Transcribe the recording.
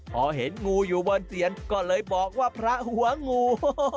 พอเห็นงูอยู่บนเตียนก็เลยบอกว่าพระหัวงู